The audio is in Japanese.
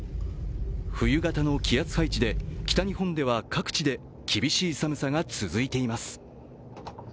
冬型の気圧配置で北日本では各地で厳しい寒さが続いています。